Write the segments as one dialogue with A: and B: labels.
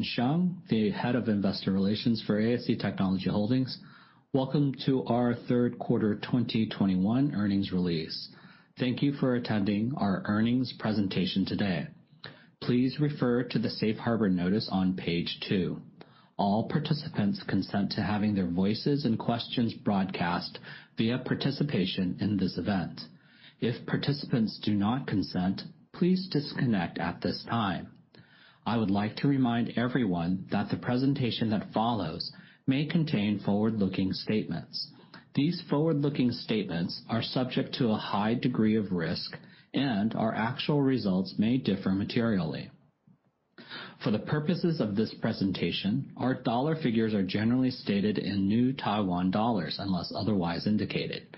A: Hello, I am Ken Shang, the Head of Investor Relations for ASE Technology Holding. Welcome to our third quarter 2021 earnings release. Thank you for attending our earnings presentation today. Please refer to the safe harbor notice on page two. All participants consent to having their voices and questions broadcast via participation in this event. If participants do not consent, please disconnect at this time. I would like to remind everyone that the presentation that follows may contain forward-looking statements. These forward-looking statements are subject to a high degree of risk, and our actual results may differ materially. For the purposes of this presentation, our dollar figures are generally stated in New Taiwan dollars, unless otherwise indicated.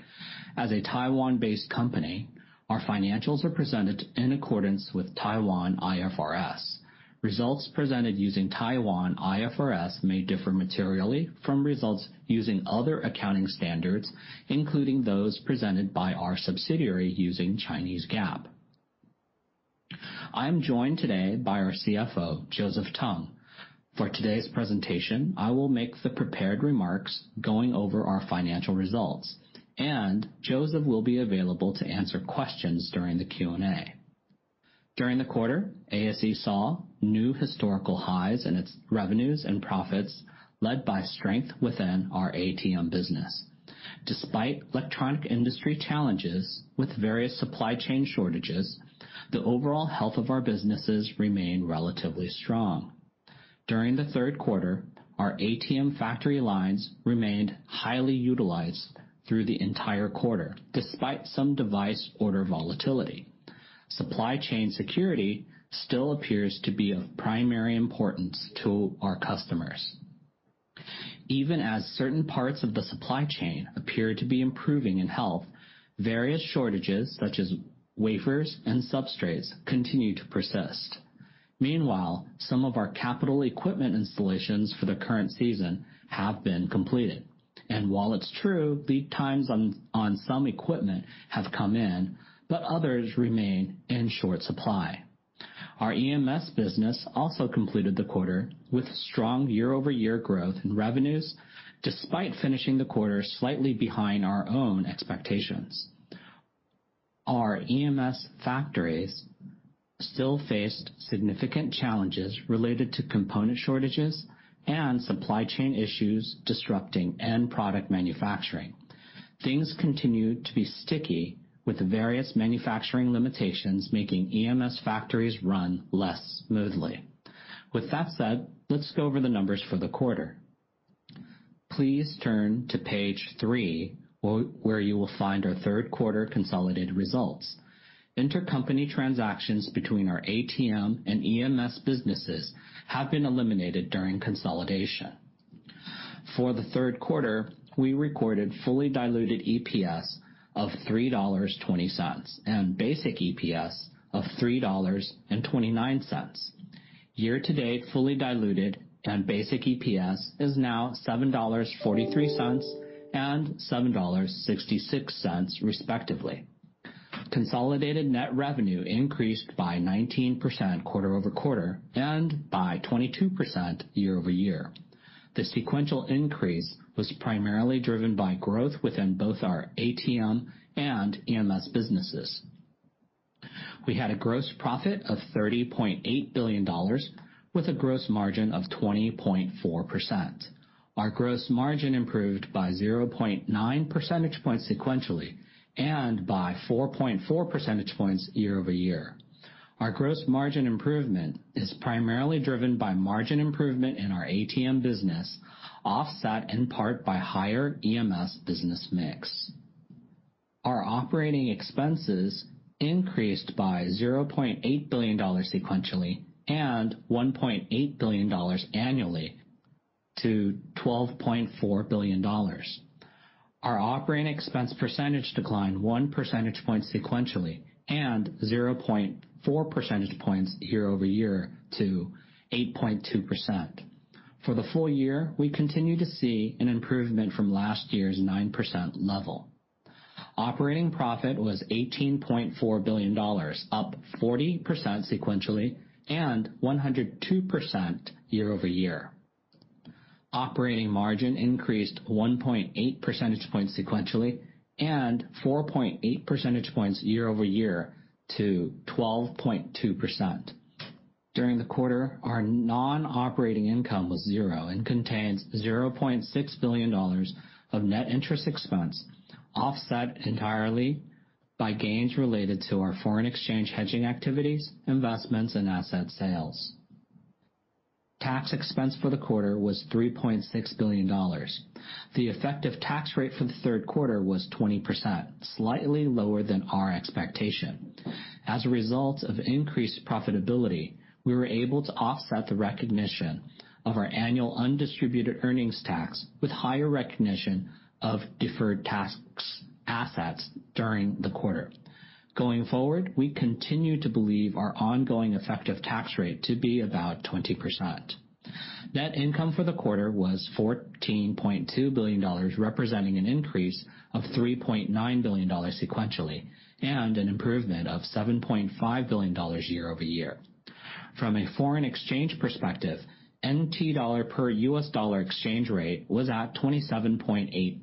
A: As a Taiwan-based company, our financials are presented in accordance with Taiwan IFRS. Results presented using Taiwan IFRS may differ materially from results using other accounting standards, including those presented by our subsidiary using Chinese GAAP. I am joined today by our CFO, Joseph Tung. For today's presentation, I will make the prepared remarks going over our financial results, and Joseph will be available to answer questions during the Q&A. During the quarter, ASE saw new historical highs in its revenues and profits, led by strength within our ATM business. Despite electronic industry challenges with various supply chain shortages, the overall health of our businesses remain relatively strong. During the third quarter, our ATM factory lines remained highly utilized through the entire quarter, despite some device order volatility. Supply chain security still appears to be of primary importance to our customers. Even as certain parts of the supply chain appear to be improving in health, various shortages, such as wafers and substrates, continue to persist. Meanwhile, some of our capital equipment installations for the current season have been completed. While it's true, lead times on some equipment have come in, but others remain in short supply. Our EMS business also completed the quarter with strong year-over-year growth in revenues, despite finishing the quarter slightly behind our own expectations. Our EMS factories still faced significant challenges related to component shortages and supply chain issues disrupting end product manufacturing. Things continue to be sticky with various manufacturing limitations, making EMS factories run less smoothly. With that said, let's go over the numbers for the quarter. Please turn to page three, where you will find our third quarter consolidated results. Intercompany transactions between our ATM and EMS businesses have been eliminated during consolidation. For the third quarter, we recorded fully diluted EPS of $3.20 and basic EPS of $3.29. Year-to-date fully diluted and basic EPS is now $7.43 and $7.66, respectively. Consolidated net revenue increased by 19% quarter-over-quarter and by 22% year-over-year. The sequential increase was primarily driven by growth within both our ATM and EMS businesses. We had a gross profit of $30.8 billion with a gross margin of 20.4%. Our gross margin improved by 0.9 percentage points sequentially and by 4.4 percentage points year-over-year. Our gross margin improvement is primarily driven by margin improvement in our ATM business, offset in part by higher EMS business mix. Our operating expenses increased by $0.8 billion sequentially and $1.8 billion annually to $12.4 billion. Our operating expense percentage declined one percentage point sequentially and 0.4 percentage points year over year to 8.2%. For the full-year, we continue to see an improvement from last year's 9% level. Operating profit was $18.4 billion, up 40% sequentially and 102% year over year. Operating margin increased 1.8 percentage points sequentially and 4.8 percentage points year-over-year to 12.2%. During the quarter, our non-operating income was zero and contains $0.6 billion of net interest expense, offset entirely by gains related to our foreign exchange hedging activities, investments, and asset sales. Tax expense for the quarter was 3.6 billion dollars. The effective tax rate for the third quarter was 20%, slightly lower than our expectation. As a result of increased profitability, we were able to offset the recognition of our annual undistributed earnings tax with higher recognition of deferred tax assets during the quarter. Going forward, we continue to believe our ongoing effective tax rate to be about 20%. Net income for the quarter was TWD 14.2 billion, representing an increase of TWD 3.9 billion sequentially, and an improvement of TWD 7.5 billion year-over-year. From a foreign exchange perspective, NT dollar per US dollar exchange rate was at 27.8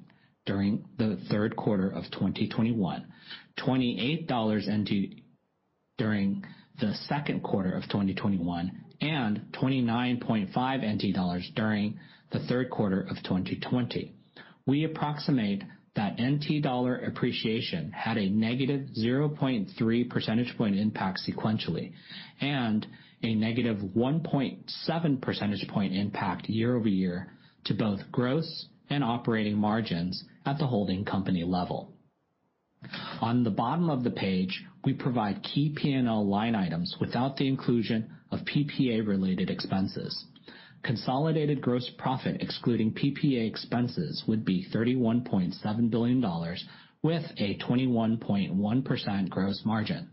A: during the third quarter of 2021, 28 NT dollars during the second quarter of 2021, and 29.5 NT dollars during the third quarter of 2020. We approximate that NT dollar appreciation had a negative 0.3 percentage point impact sequentially, and a negative 1.7 percentage point impact year-over-year to both gross and operating margins at the holding company level. On the bottom of the page, we provide key P&L line items without the inclusion of PPA-related expenses. Consolidated gross profit, excluding PPA expenses, would be 31.7 billion dollars with a 21.1% gross margin.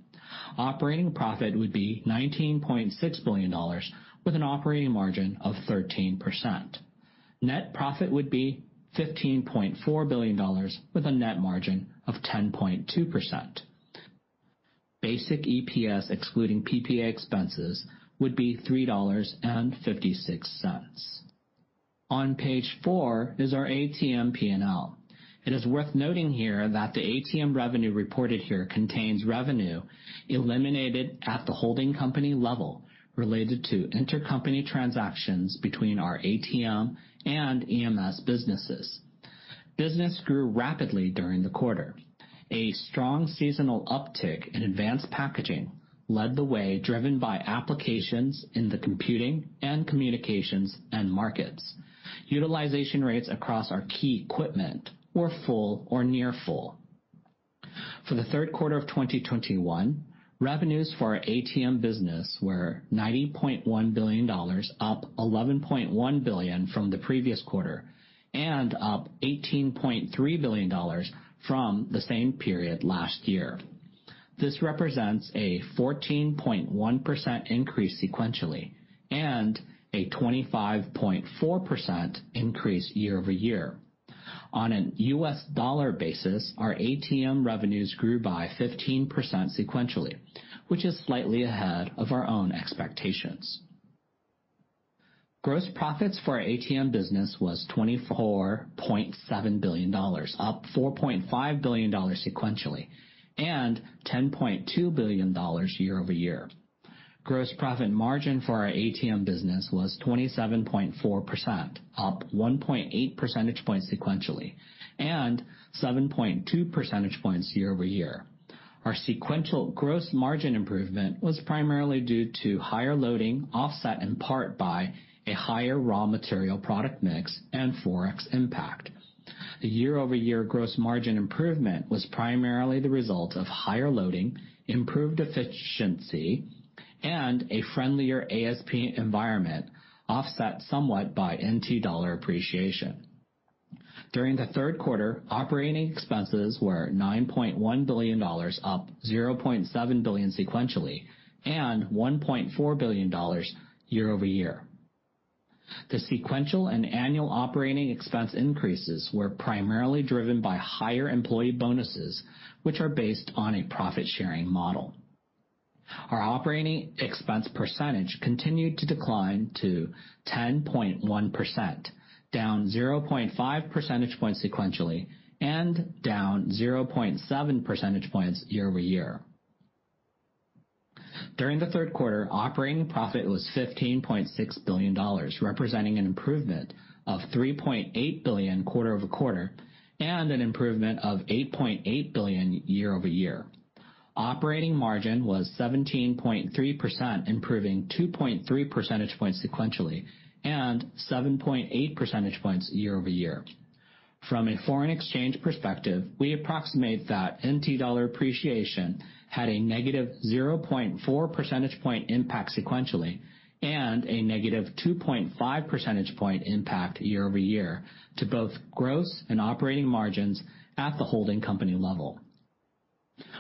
A: Operating profit would be 19.6 billion dollars with an operating margin of 13%. Net profit would be 15.4 billion dollars with a net margin of 10.2%. Basic EPS excluding PPA expenses would be 3.56 dollars. On page four is our ATM P&L. It is worth noting here that the ATM revenue reported here contains revenue eliminated at the holding company level related to intercompany transactions between our ATM and EMS businesses. Business grew rapidly during the quarter. A strong seasonal uptick in advanced packaging led the way, driven by applications in the computing and communications end markets. Utilization rates across our key equipment were full or near full. For the third quarter of 2021, revenues for our ATM business were 90.1 billion dollars, up 11.1 billion from the previous quarter, and up 18.3 billion dollars from the same period last year. This represents a 14.1% increase sequentially and a 25.4% increase year-over-year. On a US dollar basis, our ATM revenues grew by 15% sequentially, which is slightly ahead of our own expectations. Gross profits for our ATM business was 24.7 billion dollars, up 4.5 billion dollars sequentially, and 10.2 billion dollars year-over-year. Gross profit margin for our ATM business was 27.4%, up 1.8 percentage points sequentially, and 7.2 percentage points year-over-year. Our sequential gross margin improvement was primarily due to higher loading, offset in part by a higher raw material product mix and Forex impact. The year-over-year gross margin improvement was primarily the result of higher loading, improved efficiency, and a friendlier ASP environment, offset somewhat by NT dollar appreciation. During the third quarter, operating expenses were 9.1 billion dollars, up 0.7 billion sequentially, and 1.4 billion dollars year-over-year. The sequential and annual operating expense increases were primarily driven by higher employee bonuses, which are based on a profit-sharing model. Our operating expense percentage continued to decline to 10.1%, down 0.5 percentage points sequentially, and down 0.7 percentage points year-over-year. During the third quarter, operating profit was $15.6 billion, representing an improvement of $3.8 billion quarter-over-quarter and an improvement of $8.8 billion year-over-year. Operating margin was 17.3%, improving 2.3 percentage points sequentially, and 7.8 percentage points year-over-year. From a foreign exchange perspective, we approximate that NT dollar appreciation had a negative 0.4 percentage point impact sequentially, and a -2.5 percentage point impact year-over-year to both gross and operating margins at the holding company level.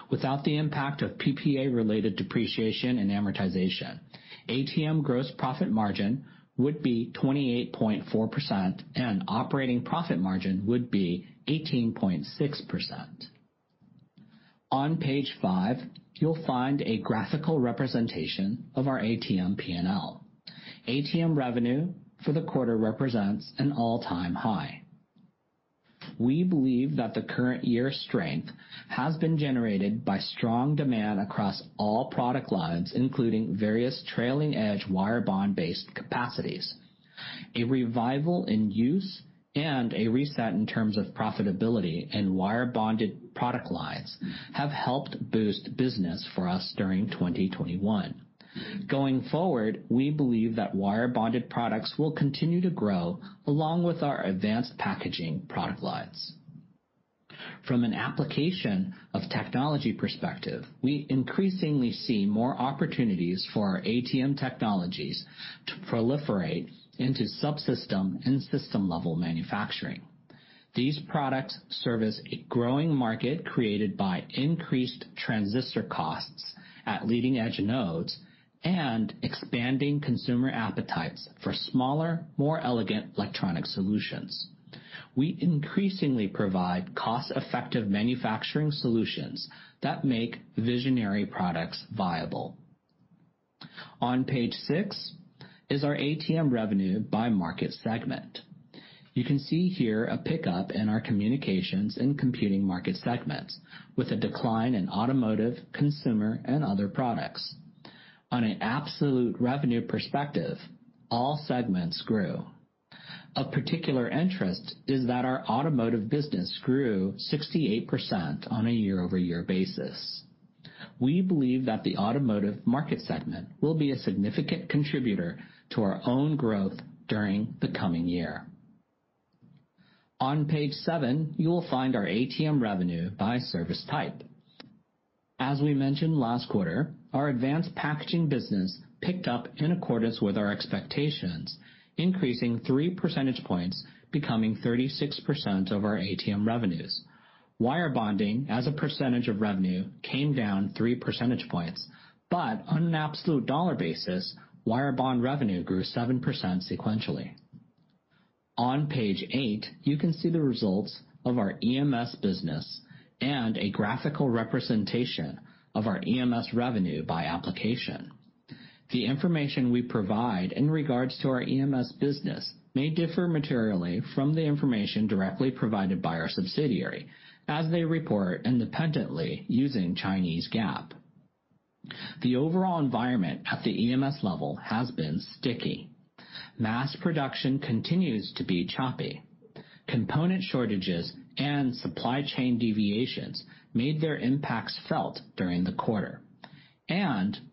A: Without the impact of PPA-related depreciation and amortization, ATM gross profit margin would be 28.4%, and operating profit margin would be 18.6%. On page five, you'll find a graphical representation of our ATM P&L. ATM revenue for the quarter represents an all-time high. We believe that the current year strength has been generated by strong demand across all product lines, including various trailing edge wire-bond-based capacities. A revival in use and a reset in terms of profitability in wire-bonded product lines have helped boost business for us during 2021. Going forward, we believe that wire-bonded products will continue to grow along with our advanced packaging product lines. From an application of technology perspective, we increasingly see more opportunities for our ATM technologies to proliferate into subsystem and system-level manufacturing. These products service a growing market created by increased transistor costs at leading-edge nodes and expanding consumer appetites for smaller, more elegant electronic solutions. We increasingly provide cost-effective manufacturing solutions that make visionary products viable. On page six is our ATM revenue by market segment. You can see here a pickup in our communications and computing market segments, with a decline in automotive, consumer, and other products. On an absolute revenue perspective, all segments grew. Of particular interest is that our automotive business grew 68% on a year-over-year basis. We believe that the automotive market segment will be a significant contributor to our own growth during the coming year. On page seven, you will find our ATM revenue by service type. As we mentioned last quarter, our advanced packaging business picked up in accordance with our expectations, increasing 3 percentage points, becoming 36% of our ATM revenues. Wire bonding as a percentage of revenue came down 3 percentage points, but on an absolute dollar basis, wire bond revenue grew 7% sequentially. On page eight, you can see the results of our EMS business and a graphical representation of our EMS revenue by application. The information we provide in regards to our EMS business may differ materially from the information directly provided by our subsidiary as they report independently using Chinese GAAP. The overall environment at the EMS level has been sticky. Mass production continues to be choppy. Component shortages and supply chain deviations made their impacts felt during the quarter.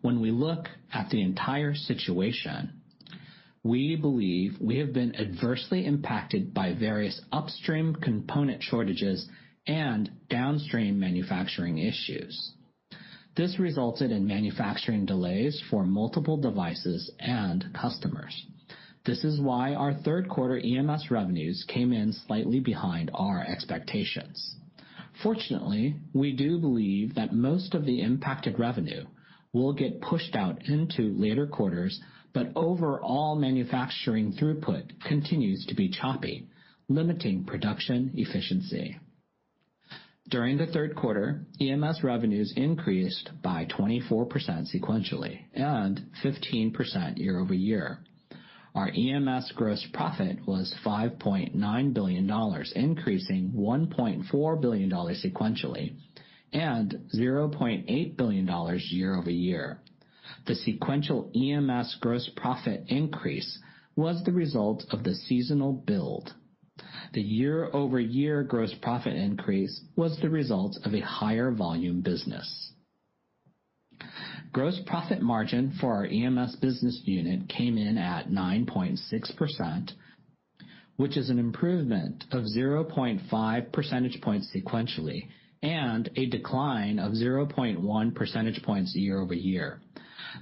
A: When we look at the entire situation, we believe we have been adversely impacted by various upstream component shortages and downstream manufacturing issues. This resulted in manufacturing delays for multiple devices and customers. This is why our third quarter EMS revenues came in slightly behind our expectations. Fortunately, we do believe that most of the impacted revenue will get pushed out into later quarters, but overall manufacturing throughput continues to be choppy, limiting production efficiency. During the third quarter, EMS revenues increased by 24% sequentially and 15% year-over-year. Our EMS gross profit was $5.9 billion, increasing $1.4 billion sequentially and $0.8 billion year-over-year. The sequential EMS gross profit increase was the result of the seasonal build. The year-over-year gross profit increase was the result of a higher volume business. Gross profit margin for our EMS business unit came in at 9.6%, which is an improvement of 0.5 percentage points sequentially and a decline of 0.1 percentage points year-over-year.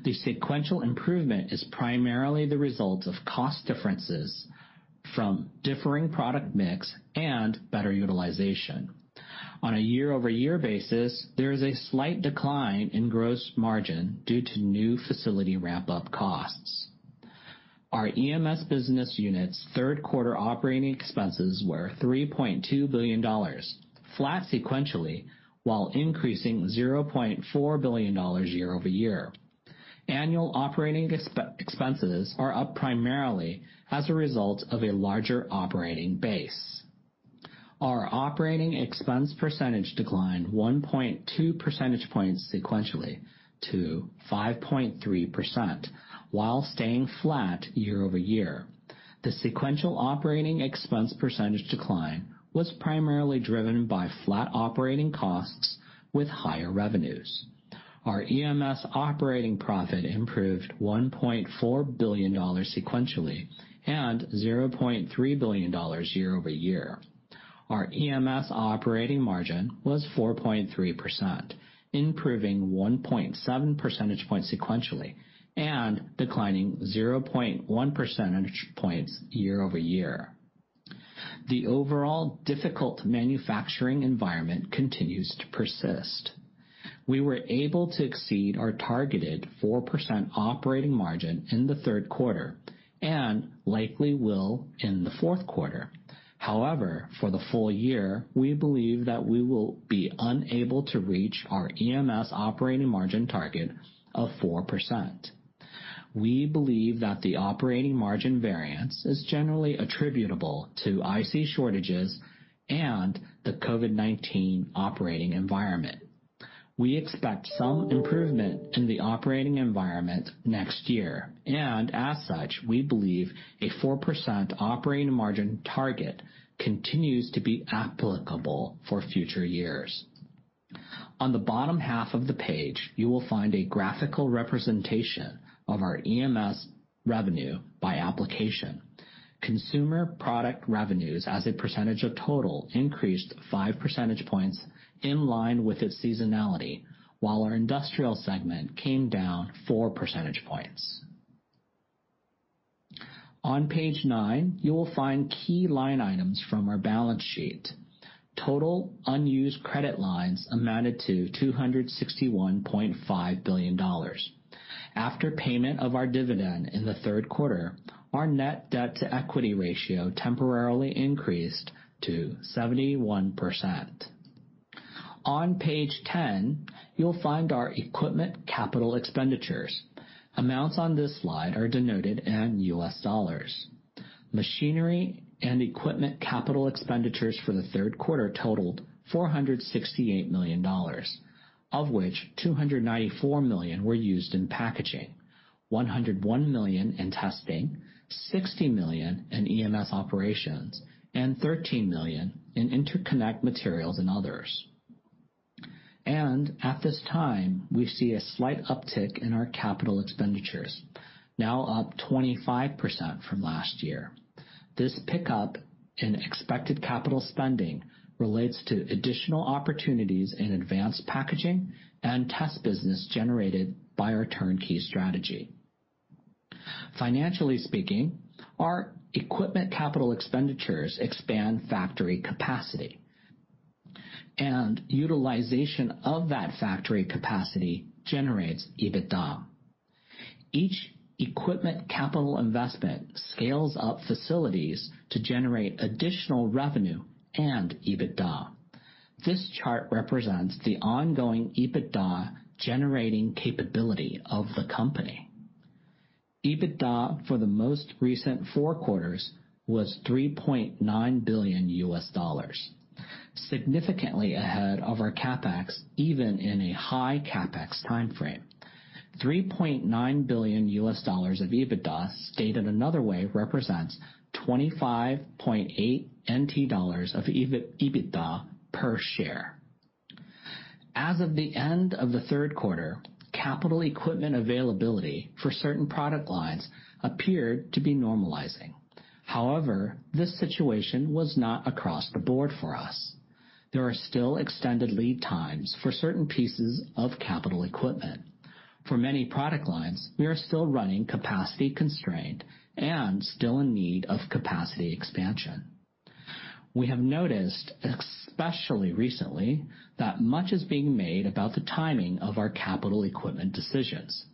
A: The sequential improvement is primarily the result of cost differences from differing product mix and better utilization. On a year-over-year basis, there is a slight decline in gross margin due to new facility ramp-up costs. Our EMS business unit's third quarter operating expenses were $3.2 billion, flat sequentially, while increasing $0.4 billion year-over-year. Annual operating expenses are up primarily as a result of a larger operating base. Our operating expense percentage declined 1.2 percentage points sequentially to 5.3% while staying flat year-over-year. The sequential operating expense percentage decline was primarily driven by flat operating costs with higher revenues. Our EMS operating profit improved $1.4 billion sequentially and $0.3 billion year-over-year. Our EMS operating margin was 4.3%, improving 1.7 percentage points sequentially and declining 0.1 percentage points year-over-year. The overall difficult manufacturing environment continues to persist. We were able to exceed our targeted 4% operating margin in the third quarter and likely will in the fourth quarter. However, for the full-year, we believe that we will be unable to reach our EMS operating margin target of 4%. We believe that the operating margin variance is generally attributable to IC shortages and the COVID-19 operating environment. We expect some improvement in the operating environment next year, and as such, we believe a 4% operating margin target continues to be applicable for future years. On the bottom half of the page, you will find a graphical representation of our EMS revenue by application. Consumer product revenues as a percentage of total increased 5 percentage points in line with its seasonality, while our industrial segment came down 4 percentage points. On page nine, you will find key line items from our balance sheet. Total unused credit lines amounted to $261.5 billion. After payment of our dividend in the third quarter, our net debt-to-equity ratio temporarily increased to 71%. On page 10, you'll find our equipment capital expenditures. Amounts on this slide are denoted in US dollars. Machinery and equipment capital expenditures for the third quarter totaled $468 million, of which $294 million were used in packaging, $101 million in testing, $60 million in EMS operations, and $13 million in interconnect materials and others. At this time, we see a slight uptick in our capital expenditures, now up 25% from last year. This pickup in expected capital spending relates to additional opportunities in advanced packaging and test business generated by our turnkey strategy. Financially speaking, our equipment capital expenditures expand factory capacity, and utilization of that factory capacity generates EBITDA. Each equipment capital investment scales up facilities to generate additional revenue and EBITDA. This chart represents the ongoing EBITDA-generating capability of the company. EBITDA for the most recent four quarters was $3.9 billion, significantly ahead of our CapEx, even in a high CapEx timeframe. $3.9 billion of EBITDA, stated another way, represents 25.8 NT dollars of EBITDA per share. As of the end of the third quarter, capital equipment availability for certain product lines appeared to be normalizing. However, this situation was not across the board for us. There are still extended lead times for certain pieces of capital equipment. For many product lines, we are still running capacity-constrained and still in need of capacity expansion. We have noticed, especially recently, that much is being made about the timing of our capital equipment decisions.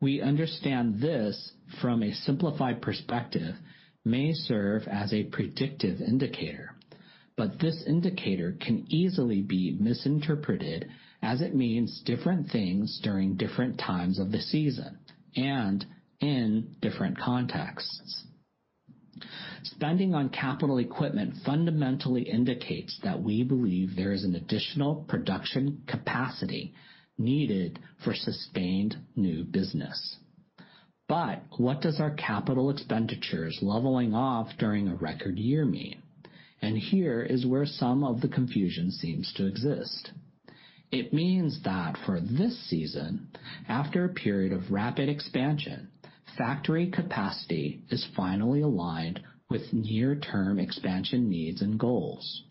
A: We understand this from a simplified perspective may serve as a predictive indicator, but this indicator can easily be misinterpreted as it means different things during different times of the season and in different contexts. Spending on capital equipment fundamentally indicates that we believe there is an additional production capacity needed for sustained new business. What does our capital expenditures leveling off during a record year mean? Here is where some of the confusion seems to exist. It means that for this season, after a period of rapid expansion, factory capacity is finally aligned with near-term expansion needs and goals.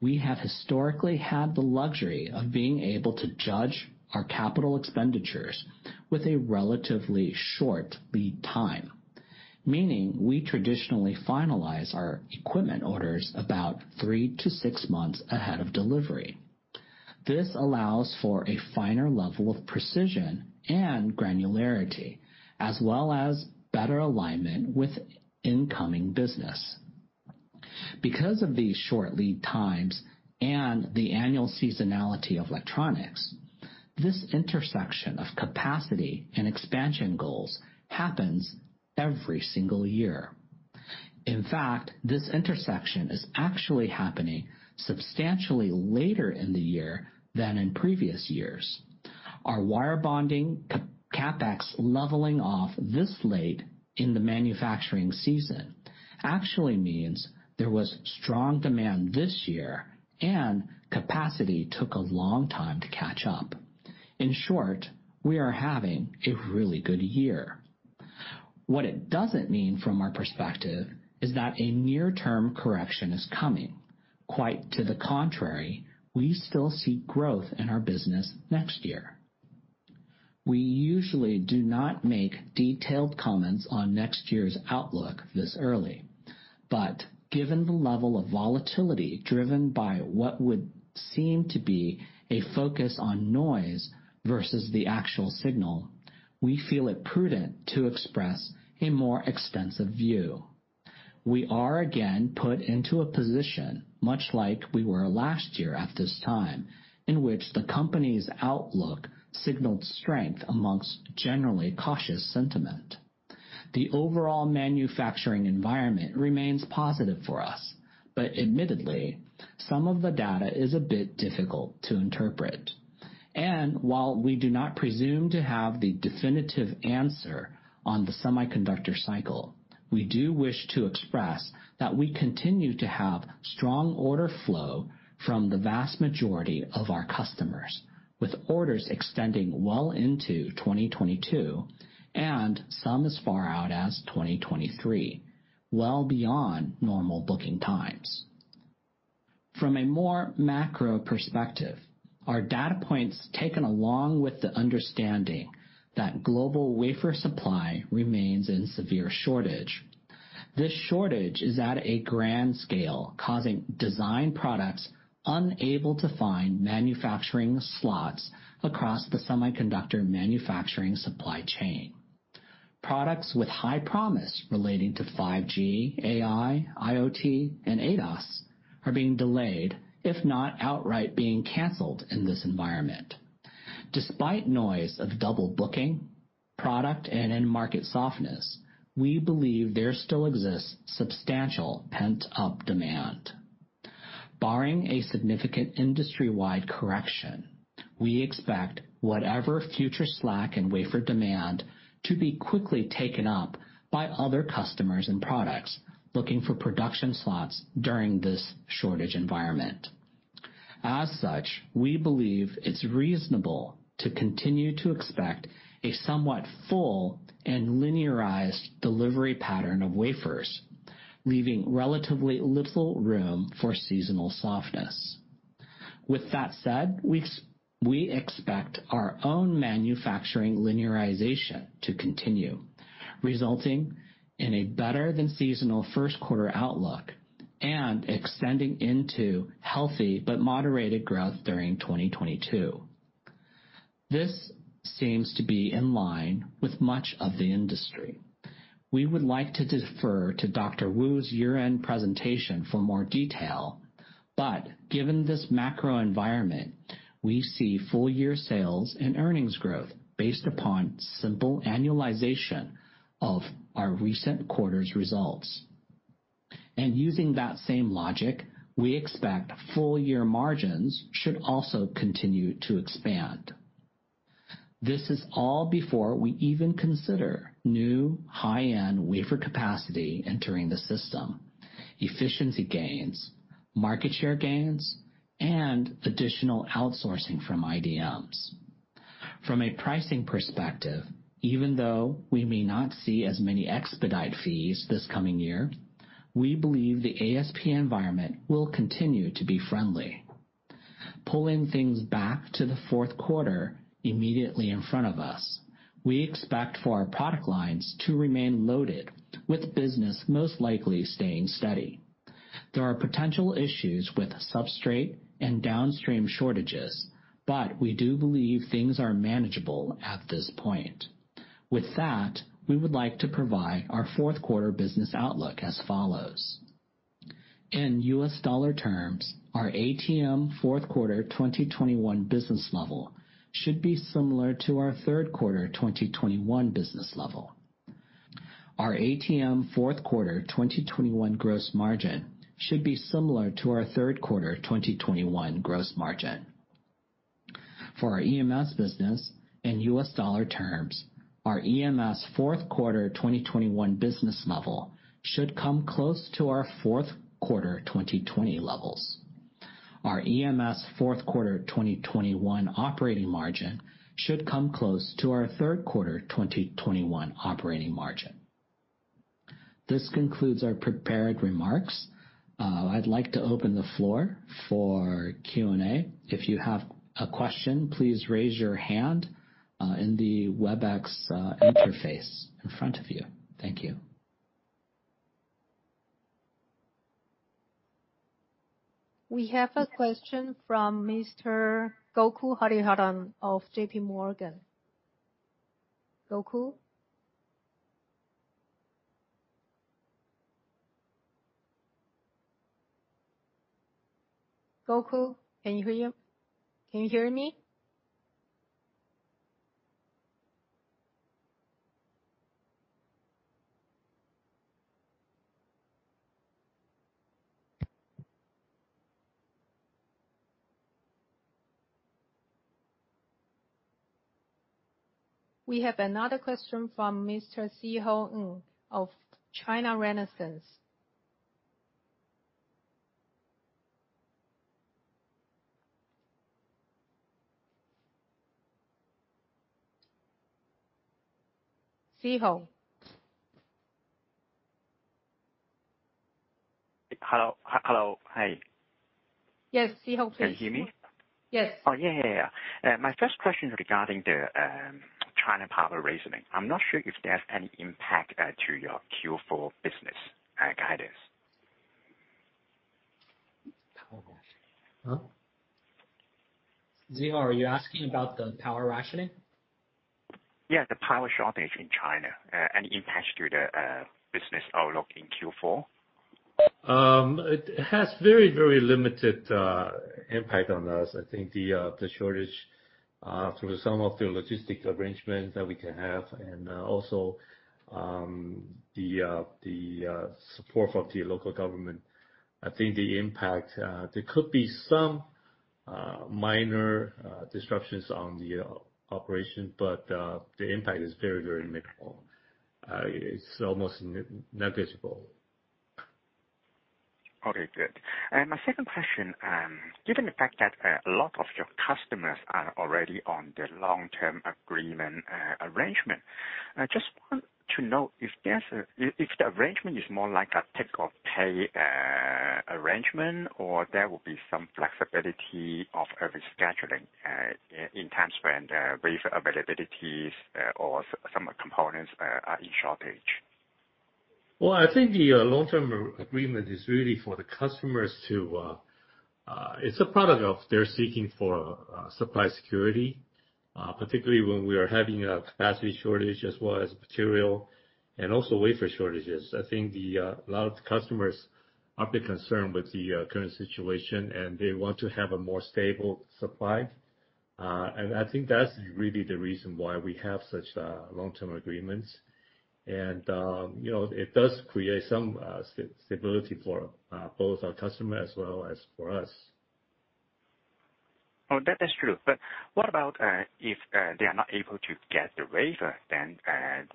A: We have historically had the luxury of being able to judge our capital expenditures with a relatively short lead time, meaning we traditionally finalize our equipment orders about three to six months ahead of delivery. This allows for a finer level of precision and granularity, as well as better alignment with incoming business. Because of these short lead times and the annual seasonality of electronics, this intersection of capacity and expansion goals happens every single year. In fact, this intersection is actually happening substantially later in the year than in previous years. Our wire bonding CapEx leveling off this late in the manufacturing season actually means there was strong demand this year and capacity took a long time to catch up. In short, we are having a really good year. What it doesn't mean from our perspective is that a near-term correction is coming. Quite to the contrary, we still see growth in our business next year. We usually do not make detailed comments on next year's outlook this early. Given the level of volatility driven by what would seem to be a focus on noise versus the actual signal, we feel it prudent to express a more extensive view. We are again put into a position, much like we were last year at this time, in which the company's outlook signaled strength amongst generally cautious sentiment. The overall manufacturing environment remains positive for us, but admittedly, some of the data is a bit difficult to interpret. While we do not presume to have the definitive answer on the semiconductor cycle, we do wish to express that we continue to have strong order flow from the vast majority of our customers, with orders extending well into 2022 and some as far out as 2023, well beyond normal booking times. From a more macro perspective, our data points taken along with the understanding that global wafer supply remains in severe shortage. This shortage is at a grand scale, causing design products unable to find manufacturing slots across the semiconductor manufacturing supply chain. Products with high promise relating to 5G, AI, IoT, and ADAS are being delayed, if not outright being canceled in this environment. Despite noise of double booking, product and end market softness, we believe there still exists substantial pent-up demand. Barring a significant industry-wide correction, we expect whatever future slack in wafer demand to be quickly taken up by other customers and products looking for production slots during this shortage environment. As such, we believe it's reasonable to continue to expect a somewhat full and linearized delivery pattern of wafers, leaving relatively little room for seasonal softness. With that said, we expect our own manufacturing linearization to continue, resulting in a better than seasonal first quarter outlook and extending into healthy but moderated growth during 2022. This seems to be in line with much of the industry. We would like to defer to Dr. Wu's year-end presentation for more detail, but given this macro environment, we see full year sales and earnings growth based upon simple annualization of our recent quarter's results. Using that same logic, we expect full year margins should also continue to expand. This is all before we even consider new high-end wafer capacity entering the system, efficiency gains, market share gains, and additional outsourcing from IDMs. From a pricing perspective, even though we may not see as many expedite fees this coming year, we believe the ASP environment will continue to be friendly. Pulling things back to the fourth quarter immediately in front of us, we expect for our product lines to remain loaded with business most likely staying steady. There are potential issues with substrate and downstream shortages, but we do believe things are manageable at this point. With that, we would like to provide our fourth quarter business outlook as follows. In U.S. dollar terms, our ATM fourth quarter 2021 business level should be similar to our third quarter 2021 business level. Our ATM fourth quarter 2021 gross margin should be similar to our third quarter 2021 gross margin. For our EMS business in US dollar terms, our EMS fourth quarter 2021 business level should come close to our fourth quarter 2020 levels. Our EMS fourth quarter 2021 operating margin should come close to our third quarter 2021 operating margin. This concludes our prepared remarks. I'd like to open the floor for Q&A. If you have a question, please raise your hand in the WebEx interface in front of you. Thank you.
B: We have a question from Mr. Gokul Hariharan of J.P. Morgan. Gokul? Gokul, can you hear, can you hear me? We have another question from Mr. Szeho Ng of China Renaissance. Szeho.
C: Hello. Hello. Hi.
B: Yes, Szeho, please.
C: Can you hear me?
B: Yes.
C: Oh, yeah, yeah. My first question regarding the China power rationing. I'm not sure if there's any impact to your Q4 business guidance.
A: Power rationing. Huh? Szeho, are you asking about the power rationing?
C: Yeah, the power shortage in China, any impact to the business outlook in Q4?
D: It has very, very limited impact on us. I think the shortage through some of the logistic arrangements that we can have and also the support from the local government. I think the impact there could be some minor disruptions on the operation, but the impact is very, very minimal. It's almost negligible.
C: Okay, good. My second question: Given the fact that a lot of your customers are already on the long-term agreement arrangement, I just want to know if the arrangement is more like a take or pay arrangement or there will be some flexibility of rescheduling in times when wafer availabilities or some components are in shortage.
D: Well, I think the long-term agreement is really for the customers. It's a product of their seeking for supply security, particularly when we are having a capacity shortage as well as material and also wafer shortages. I think a lot of the customers are a bit concerned with the current situation, and they want to have a more stable supply. I think that's really the reason why we have such long-term agreements. You know, it does create some stability for both our customer as well as for us.
C: Oh, that is true. What about if they are not able to get the wafer, then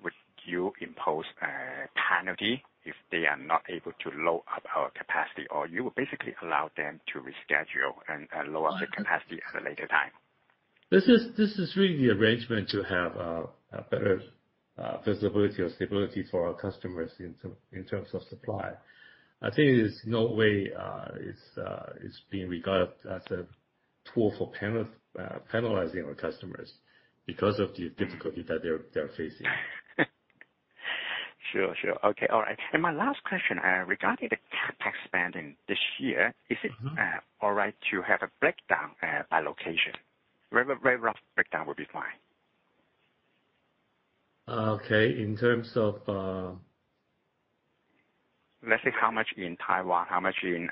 C: would you impose a penalty if they are not able to load up our capacity? Or you would basically allow them to reschedule and load-
D: Uh-
C: ramp up the capacity at a later time?
D: This is really the arrangement to have a better visibility or stability for our customers in terms of supply. I think it is in no way being regarded as a tool for penalizing our customers because of the difficulty that they're facing.
C: Sure, sure. Okay, all right. My last question, regarding the CapEx spending this year.
D: Mm-hmm.
C: Is it all right to have a breakdown by location? Very, very rough breakdown would be fine.
D: Okay. In terms of.
C: Let's say how much in Taiwan, how much in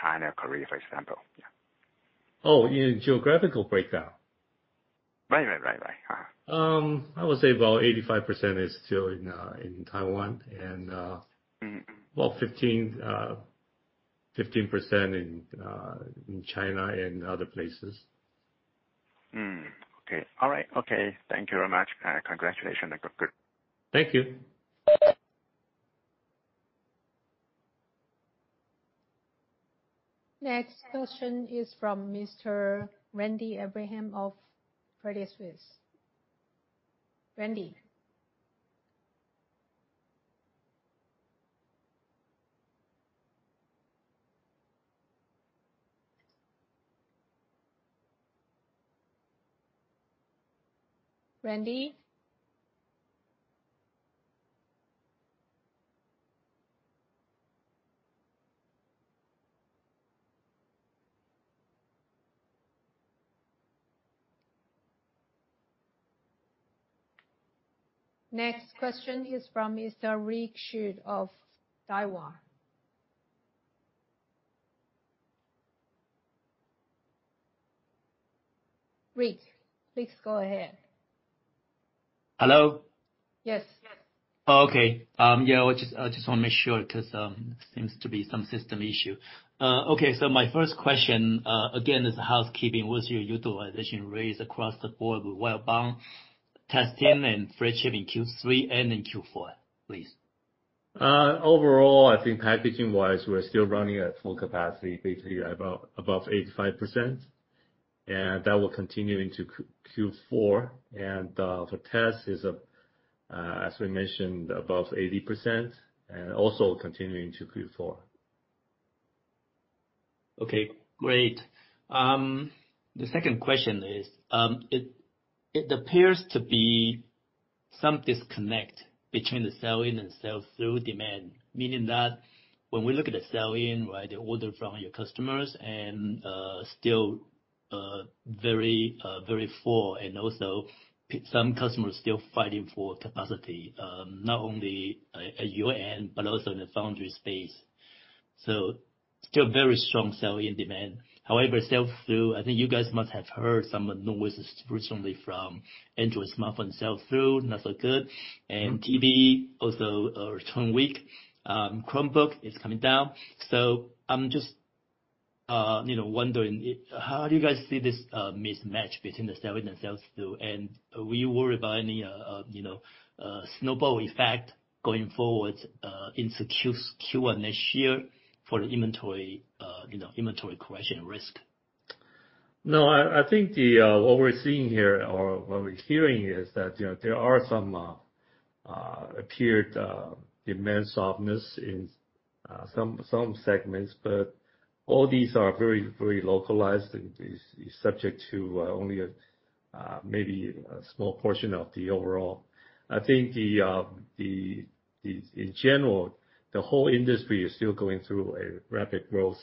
C: China, Korea, for example. Yeah.
D: Oh, in geographical breakdown.
C: Right. Uh-huh.
D: I would say about 85% is still in Taiwan and
C: Mm-hmm
D: about 15% in China and other places.
C: Okay. All right. Okay. Thank you very much, and congratulations. Good.
D: Thank you.
B: Next question is from Mr. Randy Abrams of Credit Suisse. Randy? Randy? Next question is from Mr. Rick Hsu of Daiwa. Rick, please go ahead.
E: Hello?
B: Yes.
E: Oh, okay. Yeah, I just wanna make sure 'cause there seems to be some system issue. Okay, so my first question again is housekeeping. What's your utilization rates across the board with wire bonding, testing, and advanced packaging in Q3 and in Q4, please?
D: Overall, I think packaging-wise, we're still running at full capacity, basically about above 85%. That will continue into Q4. For test is, as we mentioned, above 80% and also continuing to Q4.
E: Okay, great. The second question is, it appears to be some disconnect between the sell-in and sell-through demand. Meaning that when we look at the sell-in, right, the order from your customers and still very full and also some customers still fighting for capacity, not only at your end but also in the foundry space. Still very strong sell-in demand. However, sell-through, I think you guys must have heard some noises recently from Android smartphone sell-through, not so good. TV also return weak. Chromebook is coming down. I'm just, you know, wondering how do you guys see this, mismatch between the sell-in and sell-through? Are you worried about any, you know, snowball effect going forward, into Q1 next year for the inventory, you know, inventory correction risk?
D: No, I think what we're seeing here or what we're hearing is that, you know, there are some apparent demand softness in some segments, but all these are very localized and is subject to only maybe a small portion of the overall. I think in general, the whole industry is still going through a rapid growth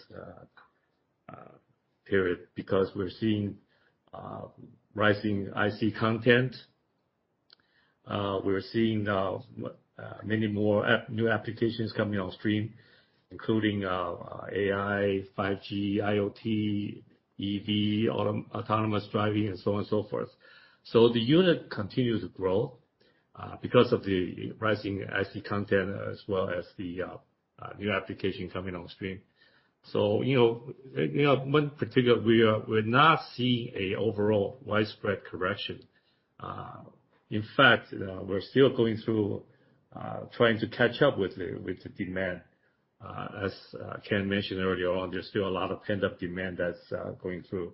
D: period because we're seeing rising IC content. We're seeing many more new applications coming on stream, including AI, 5G, IoT, EV, autonomous driving, and so on and so forth. The unit continue to grow because of the rising IC content as well as the new application coming on stream. You know, one particular, we're not seeing a overall widespread correction. In fact, we're still going through, trying to catch up with the demand. As Ken mentioned earlier on, there's still a lot of pent-up demand that's going through,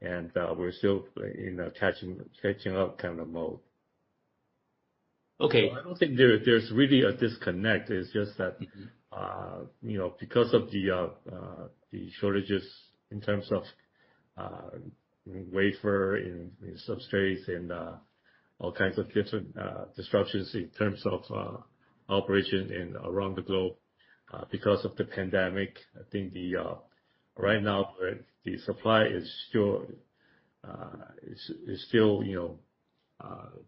D: and we're still in a catching up kind of mode.
E: Okay.
D: I don't think there's really a disconnect. It's just that, you know, because of the shortages in terms of wafer and substrates and all kinds of different disruptions in terms of operations around the globe because of the pandemic. I think right now the supply is still you know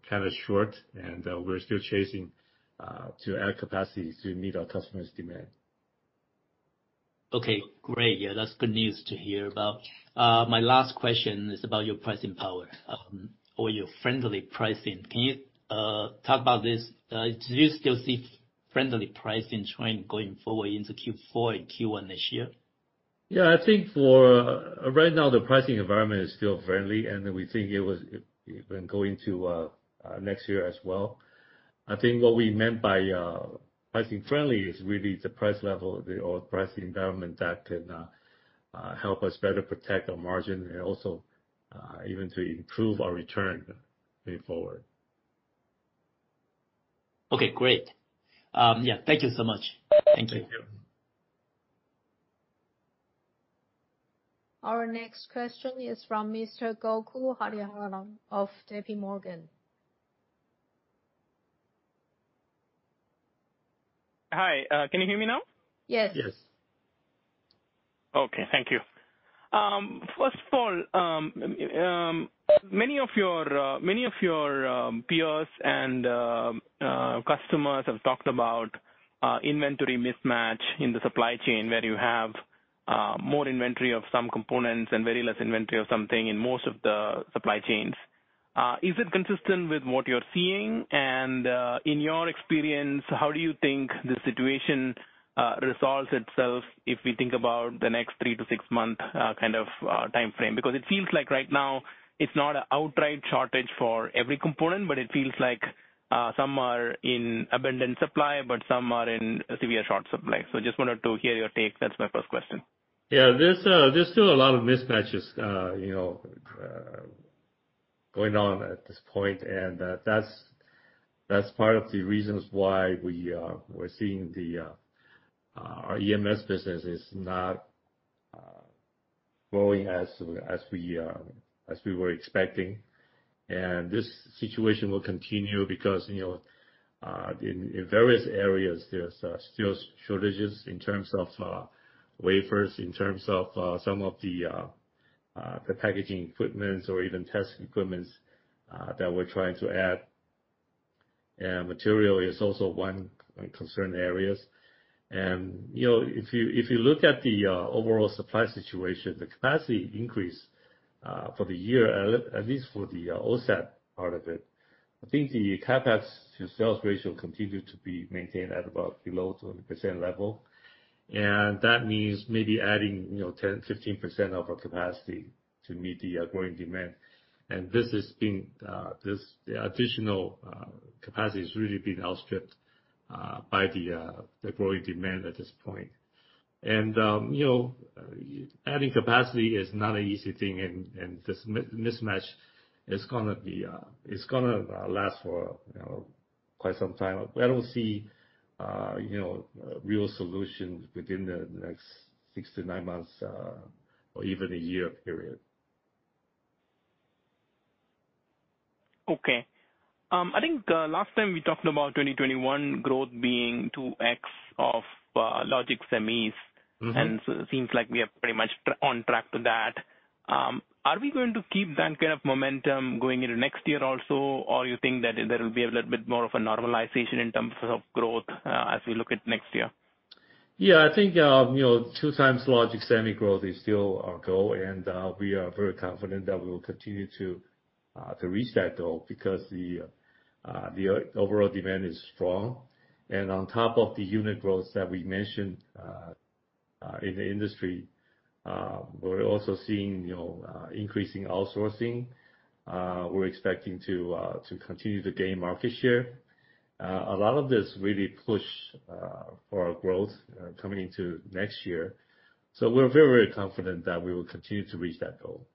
D: kind of short and we're still chasing to add capacity to meet our customers' demand.
E: Okay, great. Yeah, that's good news to hear about. My last question is about your pricing power, or your friendly pricing. Can you talk about this? Do you still see friendly pricing trend going forward into Q4 and Q1 this year?
D: Yeah. I think for right now, the pricing environment is still friendly, and then we think even going to next year as well. I think what we meant by pricing friendly is really the price level or price environment that can help us better protect our margin and also even to improve our return going forward.
E: Okay, great. Yeah. Thank you so much. Thank you.
B: Thank you. Our next question is from Mr. Gokul Hariharan of J.P. Morgan.
F: Hi. Can you hear me now?
B: Yes.
D: Yes.
F: Okay. Thank you. First of all, many of your peers and customers have talked about inventory mismatch in the supply chain where you have more inventory of some components and very less inventory of something in most of the supply chains. Is it consistent with what you're seeing? In your experience, how do you think the situation resolves itself if we think about the next three- to six-month kind of timeframe? Because it feels like right now it's not an outright shortage for every component, but it feels like some are in abundant supply, but some are in severe short supply. Just wanted to hear your take. That's my first question.
D: Yeah. There's still a lot of mismatches, you know, going on at this point, and that's part of the reasons why we're seeing our EMS business is not growing as we were expecting. This situation will continue because, you know, in various areas there's still shortages in terms of wafers, in terms of some of the packaging equipments or even test equipments that we're trying to add. Material is also one of the concerned areas. You know, if you look at the overall supply situation, the capacity increase for the year, at least for the OSAT part of it, I think the CapEx to sales ratio continued to be maintained at about below 20% level. That means maybe adding, you know, 10%, 15% of our capacity to meet the growing demand. The additional capacity has really been outstripped by the growing demand at this point. You know, adding capacity is not an easy thing and this mismatch is gonna last for, you know, quite some time. I don't see, you know, real solutions within the next six to nine months or even a year period.
F: Okay. I think last time we talked about 2021 growth being 2x of logic semis.
D: Mm-hmm.
F: It seems like we are pretty much on track to that. Are we going to keep that kind of momentum going into next year also? You think that there will be a little bit more of a normalization in terms of growth, as we look at next year?
D: Yeah. I think, you know, two times logic semi growth is still our goal, and we are very confident that we will continue to reach that goal because the overall demand is strong. On top of the unit growth that we mentioned in the industry, we're also seeing, you know, increasing outsourcing. We're expecting to continue to gain market share. A lot of this really push for our growth coming into next year. We're very confident that we will continue to reach that goal.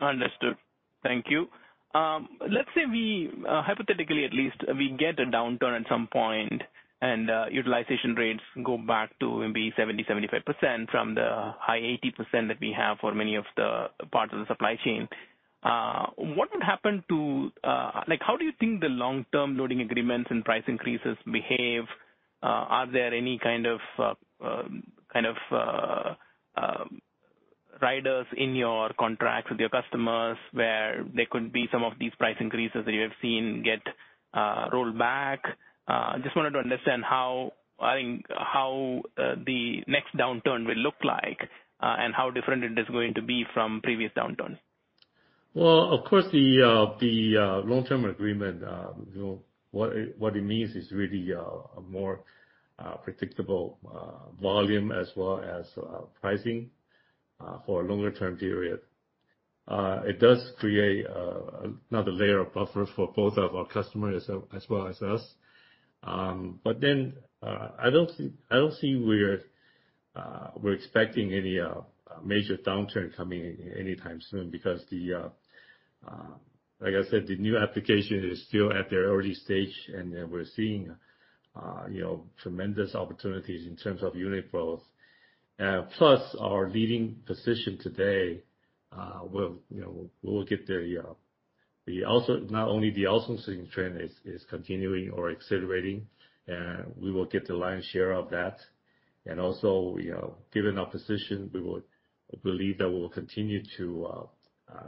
F: Understood. Thank you. Let's say we, hypothetically at least, we get a downturn at some point and utilization rates go back to maybe 70%-75% from the high 80% that we have for many of the parts of the supply chain. What would happen to? Like, how do you think the long-term loading agreements and price increases behave? Are there any kind of riders in your contracts with your customers where there could be some of these price increases that you have seen get rolled back? Just wanted to understand how, I think, the next downturn will look like and how different it is going to be from previous downturns.
D: Well, of course, the long-term agreement, you know, what it means is really a more predictable volume as well as pricing for a longer-term period. It does create another layer of buffer for both of our customers as well as us. I don't see we're expecting any major downturn coming anytime soon because the, like I said, the new application is still at their early stage, and we're seeing, you know, tremendous opportunities in terms of unit growth. Plus our leading position today, will, you know, we'll get there. Yeah. Also, not only the outsourcing trend is continuing or accelerating, we will get the lion's share of that. Also, you know, given our position, we will believe that we'll continue to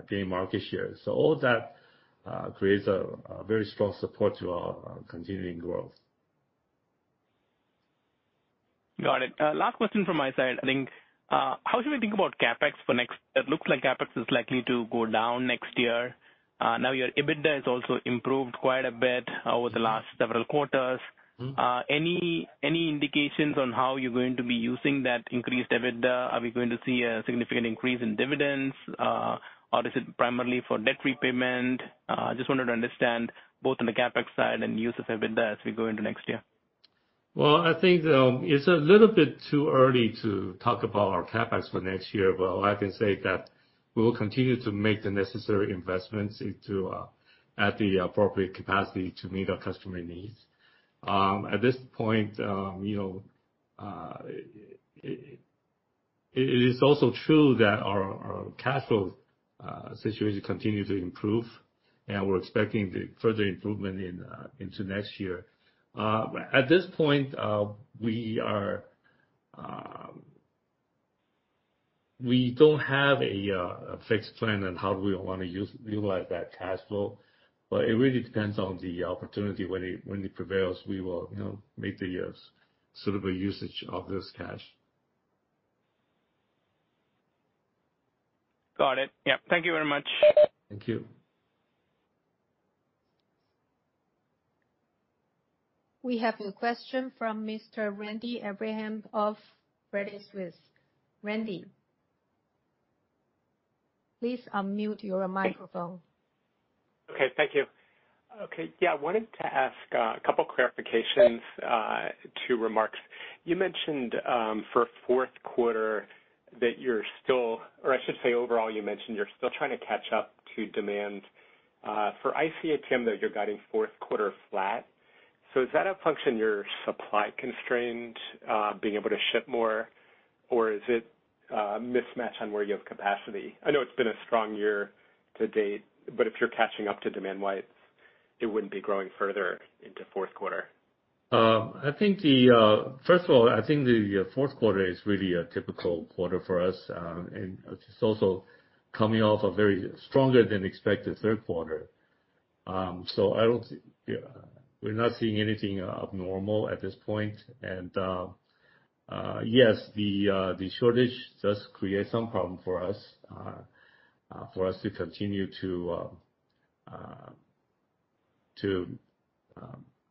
D: gain market share. All that creates a very strong support to our continuing growth.
F: Got it. Last question from my side, I think. How should we think about CapEx for next year? It looks like CapEx is likely to go down next year. Now your EBITDA has also improved quite a bit over the last several quarters.
D: Mm-hmm.
F: Any indications on how you're going to be using that increased EBITDA? Are we going to see a significant increase in dividends, or is it primarily for debt repayment? Just wanted to understand both on the CapEx side and use of EBITDA as we go into next year.
D: Well, I think it's a little bit too early to talk about our CapEx for next year. All I can say is that we will continue to make the necessary investments into at the appropriate capacity to meet our customer needs. At this point, you know, it is also true that our cash flow situation continue to improve and we're expecting the further improvement in into next year. At this point, we don't have a fixed plan on how we wanna utilize that cash flow, but it really depends on the opportunity. When it prevails, we will, you know, make the suitable usage of this cash.
F: Got it. Yeah. Thank you very much.
D: Thank you.
B: We have a question from Mr. Randy Abrams of Credit Suisse. Randy, please unmute your microphone.
G: Okay. Thank you. Okay, yeah, wanted to ask, a couple clarifications, two remarks. You mentioned, for fourth quarter that you're still, or I should say overall, you mentioned you're still trying to catch up to demand, for IC ATM that you're guiding fourth quarter flat. Is that a function you're supply constrained, being able to ship more? Or is it, a mismatch on where you have capacity? I know it's been a strong year to date, but if you're catching up to demand, why it wouldn't be growing further into fourth quarter.
D: I think the fourth quarter is really a typical quarter for us, and it's also coming off a very stronger than expected third quarter. Yeah, we're not seeing anything abnormal at this point. Yes, the shortage does create some problem for us to continue to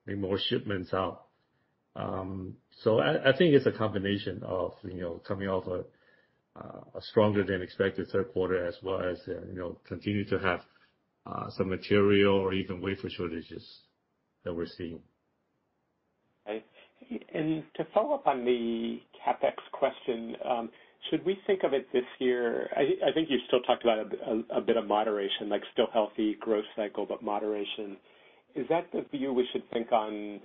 D: make more shipments out. I think it's a combination of, you know, coming off a stronger than expected third quarter as well as, you know, continue to have some material or even wafer shortages that we're seeing.
G: Okay. To follow up on the CapEx question, should we think of it this year—I think you still talked about a bit of moderation, like still healthy growth cycle, but moderation. Is that the view we should think on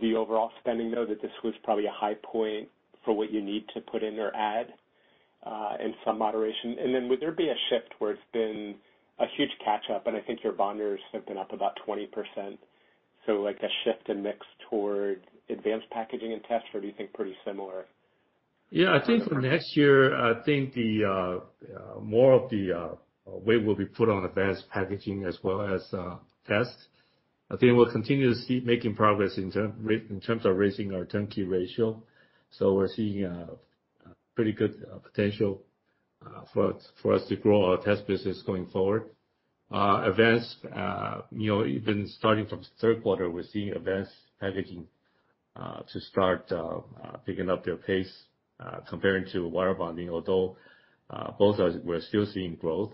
G: the overall spending, though, that this was probably a high point for what you need to put in or add, and some moderation? Then would there be a shift where it's been a huge catch up, and I think your bonders have been up about 20%. Like a shift in mix toward advanced packaging and test, or do you think pretty similar?
D: Yeah, I think for next year, I think the more of the weight will be put on advanced packaging as well as test. I think we'll continue to see making progress in terms of raising our turnkey ratio. We're seeing a pretty good potential for us to grow our test business going forward. You know, even starting from third quarter, we're seeing advanced packaging to start picking up their pace comparing to wire bonding, although we're still seeing growth.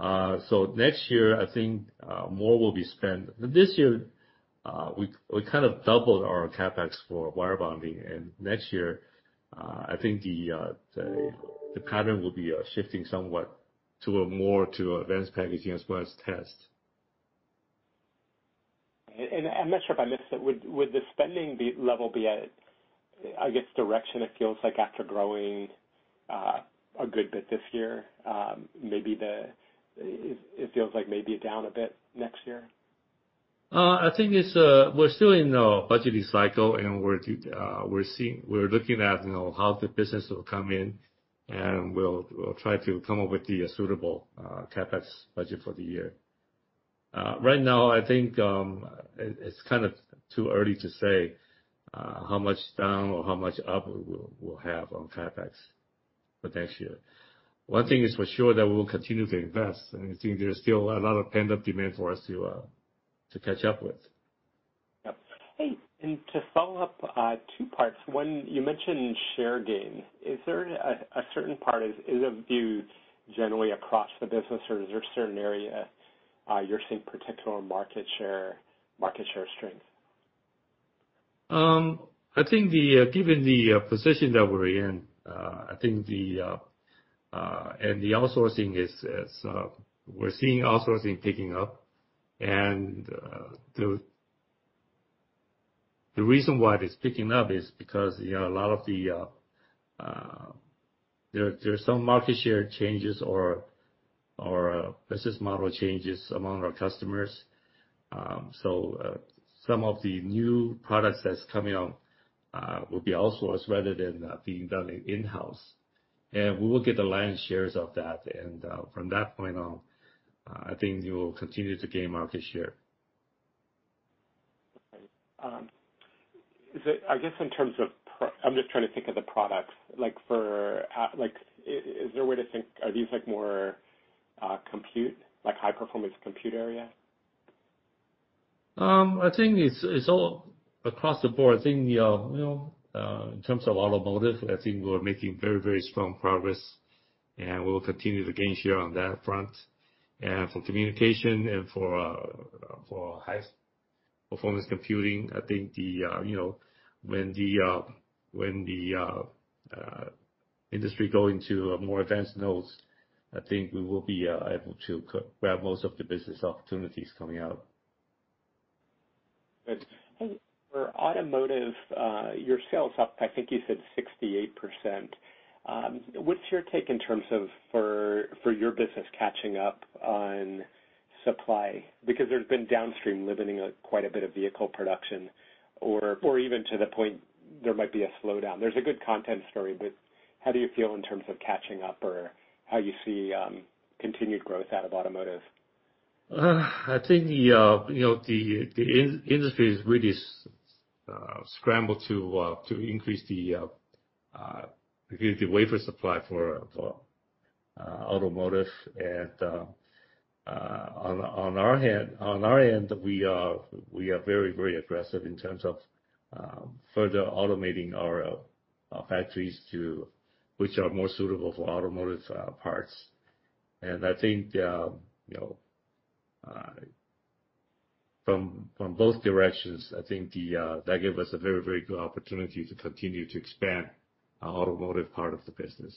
D: Next year, I think more will be spent. This year we kind of doubled our CapEx for wire bonding, and next year I think the pattern will be shifting somewhat more to advanced packaging as well as test.
G: I'm not sure if I missed it. Would the spending be level, I guess, directionally? It feels like after growing a good bit this year, maybe it feels like down a bit next year.
D: I think it's, we're still in a budgeting cycle, and we're looking at, you know, how the business will come in, and we'll try to come up with the suitable, CapEx budget for the year. Right now, I think, it's kind of too early to say, how much down or how much up we'll have on CapEx for next year. One thing is for sure that we'll continue to invest, and I think there's still a lot of pent-up demand for us to catch up with.
G: Yeah. Hey, to follow up, two parts. One, you mentioned share gain. Is there a certain part, is it a view generally across the business, or is there a certain area you're seeing particular market share strength?
D: I think, given the position that we're in, we're seeing outsourcing picking up. The reason why it is picking up is because, you know, there are some market share changes or business model changes among our customers. Some of the new products that's coming out will be outsourced rather than being done in-house. We will get the lion's shares of that. From that point on, I think we will continue to gain market share.
G: Right. I guess in terms of, I'm just trying to think of the products, like, is there a way to think, are these, like, more compute, like, high-performance compute area?
D: I think it's all across the board. I think, you know, in terms of automotive, I think we're making very strong progress, and we will continue to gain share on that front. For communication and for high performance computing, I think, you know, when the industry go into more advanced nodes, I think we will be able to grab most of the business opportunities coming out.
G: Good. Hey, for automotive, your sales up, I think you said 68%. What's your take in terms of for your business catching up on supply? Because there's been downstream limiting quite a bit of vehicle production or even to the point there might be a slowdown. There's a good content story, but how do you feel in terms of catching up or how you see continued growth out of automotive?
D: I think the industry is really scramble to increase the wafer supply for automotive. On our end, we are very aggressive in terms of further automating our factories to which are more suitable for automotive parts. I think you know from both directions, that give us a very good opportunity to continue to expand our automotive part of the business.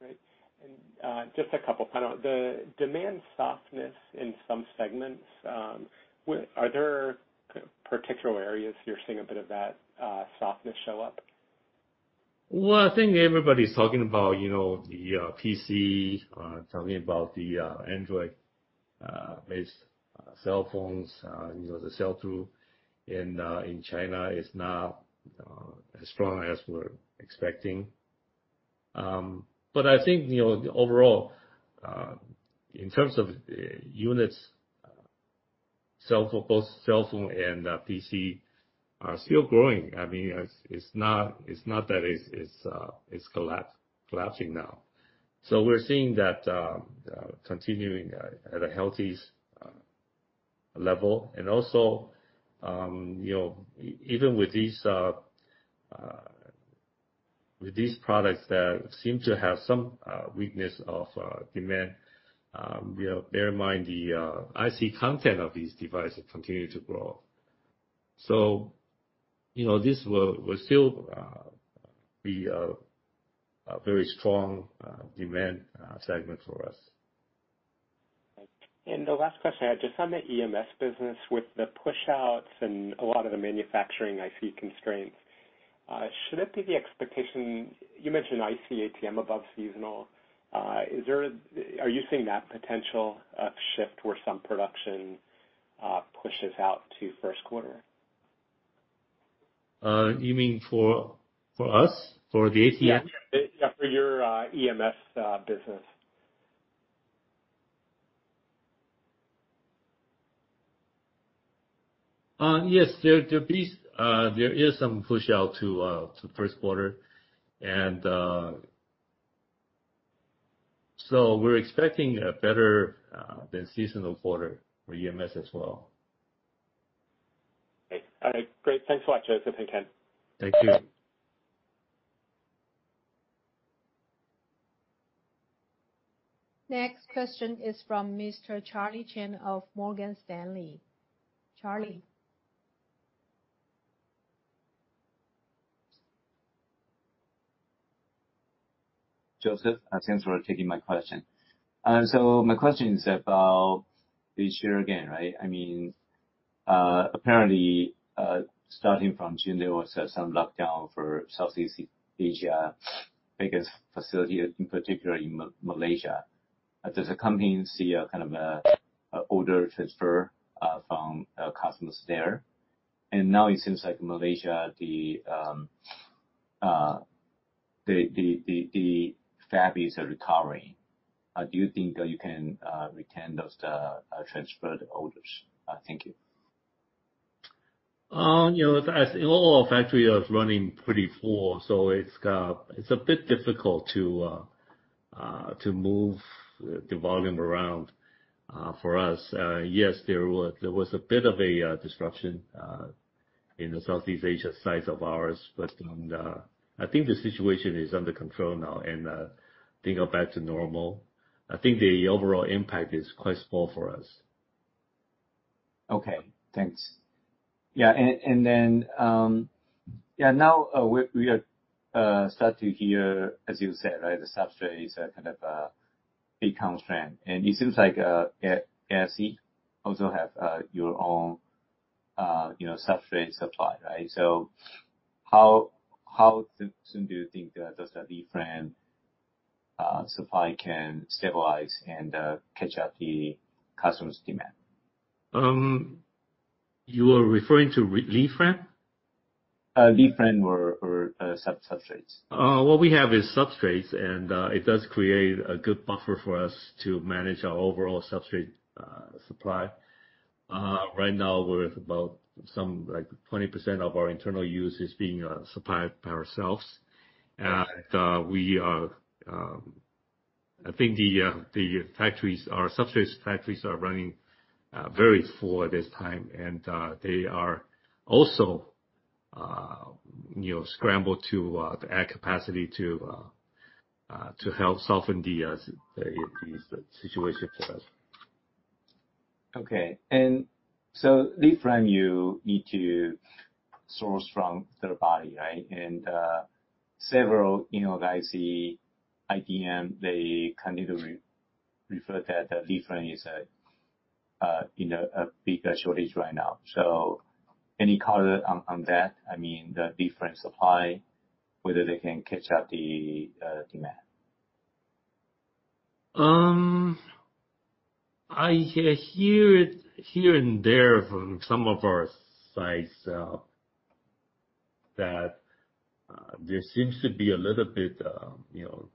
G: Great. Just a couple final. The demand softness in some segments, are there particular areas you're seeing a bit of that softness show up?
D: Well, I think everybody's talking about, you know, the PC, talking about the Android-based cell phones. You know, the sell-through in China is not as strong as we're expecting. I think, you know, overall, in terms of units, both cell phone and PC are still growing. I mean, it's not that it's collapsing now. We're seeing that continuing at a healthy level. Also, you know, even with these products that seem to have some weakness in demand, you know, bear in mind the IC content of these devices continue to grow. You know, this will still be a very strong demand segment for us.
G: Right. The last question I had, just on the EMS business, with the push outs and a lot of the manufacturing IC constraints, should it be the expectation? You mentioned IC ATM above seasonal. Are you seeing that potential upshift where some production pushes out to first quarter?
D: You mean for us? For the ATM?
G: Yeah. Yeah, for your EMS business.
D: Yes, there is some push out to first quarter. We're expecting a better than seasonal quarter for EMS as well.
G: Great. All right. Great. Thanks a lot, Joseph and Ken.
D: Thank you.
G: Okay.
B: Next question is from Mr. Charlie Chan of Morgan Stanley. Charlie.
H: Joseph, thanks for taking my question. My question is about this year again, right? I mean, apparently, starting from June, there was some lockdown for Southeast Asia's biggest facility, in particular in Malaysia. Does the company see a kind of order transfer from customers there? Now it seems like Malaysia, the fabs are recovering. Do you think you can retain those transferred orders? Thank you.
D: You know, as all our factory are running pretty full, so it's a bit difficult to move the volume around for us. Yes, there was a bit of a disruption in the Southeast Asia sites of ours. I think the situation is under control now and things are back to normal. I think the overall impact is quite small for us.
H: Okay, thanks. Yeah. Then, yeah, now, we are start to hear, as you said, right, the substrate is a kind of a big constraint. It seems like at ASE also have your own, you know, substrate supply, right? So how soon do you think the substrate supply can stabilize and catch up the customers' demand?
D: You are referring to lead frame?
H: Lead frame or substrates.
D: What we have is substrates, and it does create a good buffer for us to manage our overall substrate supply. Right now we're about some like 20% of our internal use is being supplied by ourselves. We are, I think the substrates factories are running very full at this time. They are also, you know, scramble to add capacity to help soften the situation for us.
H: Okay. Lead frame you need to source from third party, right? Several, you know, guys, the IDM, they kind of refer that the lead frame is a bigger shortage right now. Any color on that? I mean, the lead frame supply, whether they can catch up to the demand.
D: I hear it here and there from some of our sites that there seems to be a little bit, you know,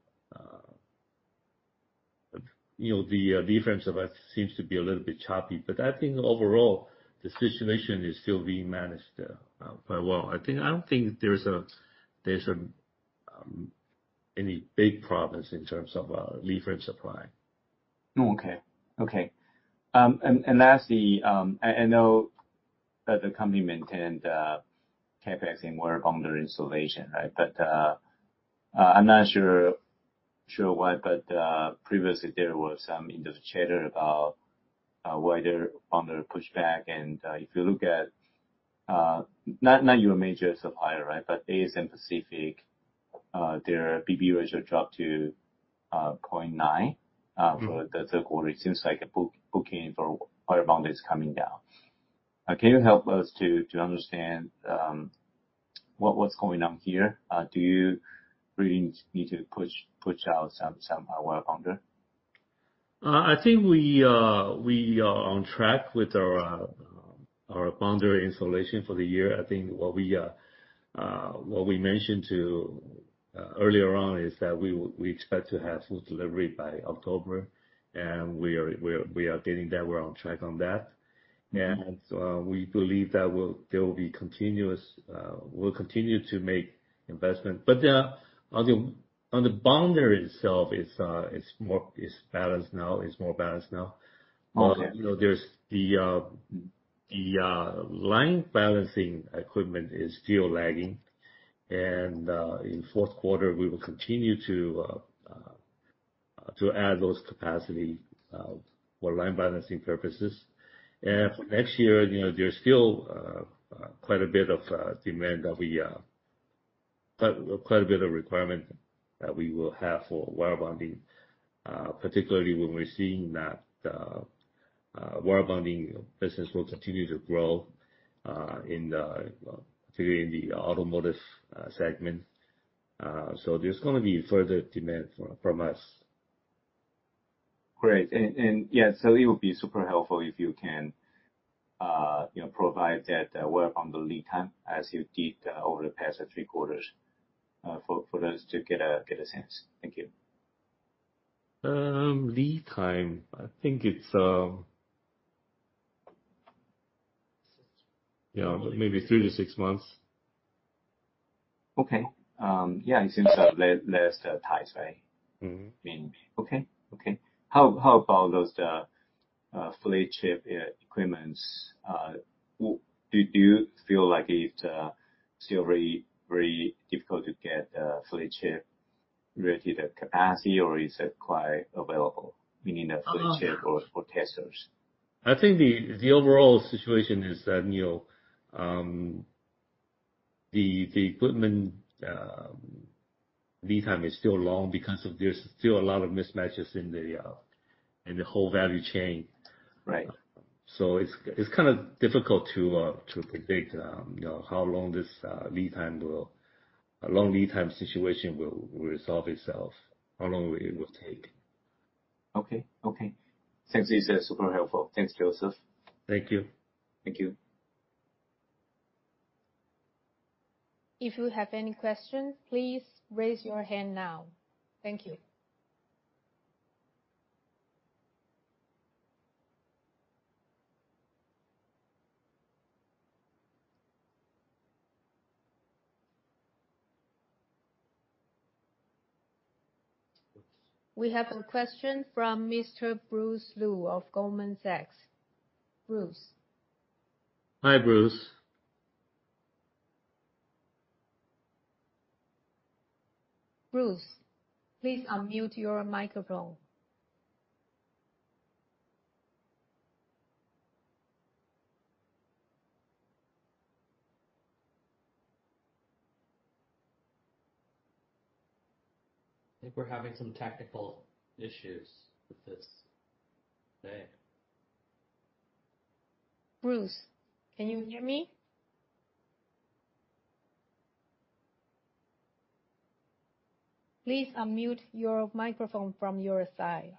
D: you know, the lead frame suppliers seems to be a little bit choppy. I think overall, the situation is still being managed quite well. I think I don't think there's any big problems in terms of lead frame supply.
H: Okay. Lastly, I know that the company maintained CapEx in wire bonder installation, right? But I'm not sure why, but previously there was some industry chatter about why they're on the pushback. If you look at not your major supplier, right? But ASM Pacific, their B/B ratio dropped to 0.9.
D: Mm-hmm.
H: For the third quarter. It seems like the book-to-bill for wire bonder is coming down. Can you help us to understand what's going on here? Do you really need to push out some wire bonder?
D: I think we are on track with our bonder installation for the year. I think what we mentioned to earlier on is that we expect to have full delivery by October, and we are getting that. We're on track on that.
H: Mm-hmm.
D: We believe that we'll continue to make investment. On the bonder itself is more balanced now.
H: Okay.
D: You know, there's the line balancing equipment is still lagging. In fourth quarter we will continue to add those capacity for line balancing purposes. For next year, you know, there's still quite a bit of requirement that we will have for wire bonding, particularly when we're seeing that wire bonding business will continue to grow, particularly in the automotive segment. So there's gonna be further demand from us.
H: Great. It would be super helpful if you can, you know, provide that wire bonder lead time as you did over the past three quarters for us to get a sense. Thank you.
D: Lead time, I think it's, yeah, maybe three to six months.
H: Okay. Yeah, it seems less tight way.
D: Mm-hmm.
H: I mean, okay. How about those flip chip equipment? Do you feel like it's still very difficult to get flip chip related capacity or is it quite available? Meaning the flip chip or testers.
D: I think the overall situation is that, you know, the equipment lead time is still long because there's still a lot of mismatches in the whole value chain.
H: Right.
D: It's kind of difficult to predict, you know, how long a long lead time situation will resolve itself, how long it will take.
H: Okay. Thanks. This is super helpful. Thanks, Joseph.
D: Thank you.
H: Thank you.
B: If you have any questions, please raise your hand now. Thank you. We have a question from Mr. Bruce Lu of Goldman Sachs. Bruce?
D: Hi, Bruce.
B: Bruce, please unmute your microphone.
D: I think we're having some technical issues with this today.
B: Bruce, can you hear me? Please unmute your microphone from your side.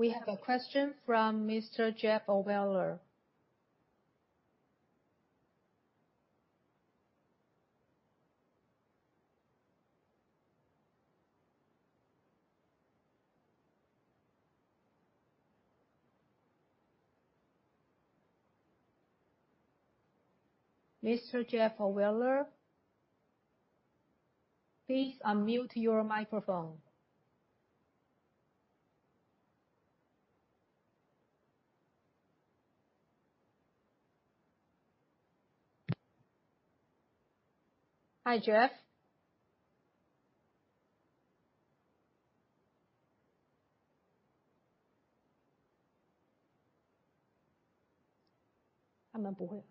B: We have a question from Mr. Jeff Ohlweiler. Mr. Jeff Ohlweiler, please unmute your microphone. Hi, Jeff. I'm on hold.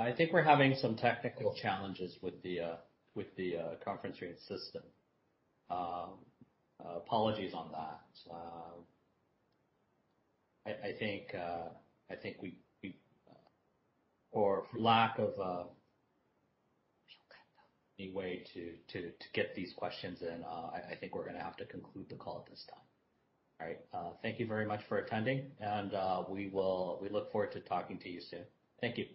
D: I think we're having some technical challenges with the conferencing system. Apologies on that. I think, for lack of any way to get these questions in, I think we're gonna have to conclude the call at this time. All right, thank you very much for attending, and we look forward to talking to you soon. Thank you.